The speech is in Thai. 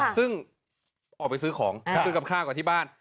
ซึ่งออกไปซื้อของซื้อกับข้าวกับที่บ้าน